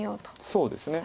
そうですね。